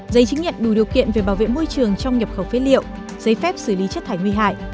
giấy chứng nhận đủ điều kiện về bảo vệ môi trường trong nhập khẩu phế liệu giấy phép xử lý chất thải nguy hại